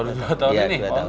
untung bukakan dari mana